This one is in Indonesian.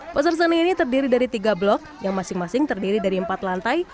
pasar seni ini terdiri dari tiga blok yang masing masing terdiri dari empat lantai